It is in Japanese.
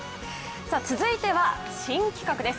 続いては、新企画です。